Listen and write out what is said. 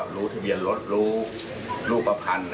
รู้ทะเบียนรถรู้รูปภัณฑ์